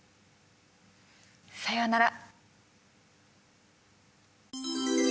さようなら。